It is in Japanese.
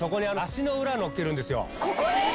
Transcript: ここに！？